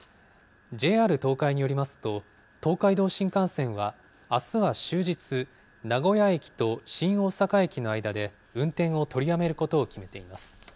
ＪＲ東海によりますと、東海道新幹線は、あすは終日、名古屋駅と新大阪駅の間で運転を取りやめることを決めています。